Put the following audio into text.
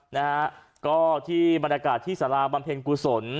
นะฮะก็ที่บรรยากาศที่สาราบำเพ็ญกุศล